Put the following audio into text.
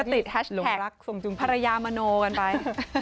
ก็ติดแฮชแพคภรรยามโนกันไป